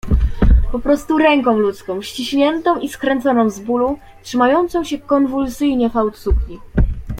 "Poprostu ręką ludzką ściśniętą i skręconą z bólu, trzymającą się konwulsyjnie fałd sukni."